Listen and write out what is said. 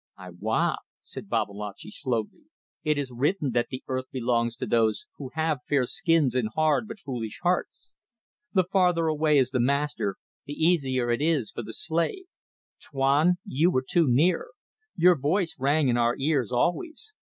"Ay wa!" said Babalatchi, slowly. "It is written that the earth belongs to those who have fair skins and hard but foolish hearts. The farther away is the master, the easier it is for the slave, Tuan! You were too near. Your voice rang in our ears always.